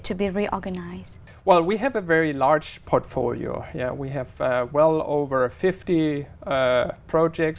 tôi nghĩ đây là một vấn đề khá đặc biệt